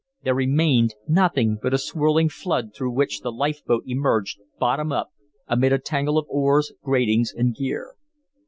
There remained nothing but a swirling flood through which the life boat emerged bottom up, amid a tangle of oars, gratings, and gear.